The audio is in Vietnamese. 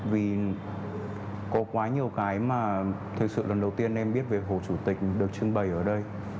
vì có quá nhiều cái mà thời sự lần đầu tiên em biết về hồ chủ tịch được trưng bày ở đây